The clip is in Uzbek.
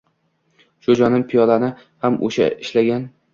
Shu jonon piyolani ham o‘sha ishlagan